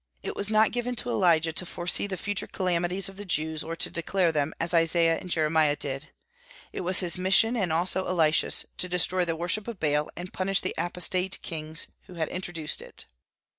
It was not given to Elijah to foresee the future calamities of the Jews, or to declare them, as Isaiah and Jeremiah did. It was his mission, and also Elisha's, to destroy the worship of Baal and punish the apostate kings who had introduced it.